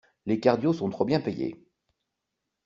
Les cardios sont trop bien payés.